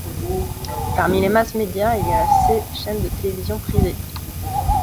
Parmi les mass-media, il y a La C, chaîne de télévision privée.